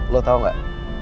lo tau gak